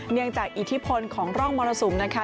จากอิทธิพลของร่องมรสุมนะคะ